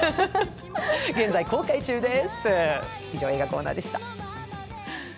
現在公開中です。